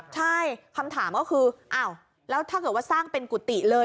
ใช่คำถามก็คืออ้าวแล้วถ้าเกิดว่าสร้างเป็นกุฏิเลย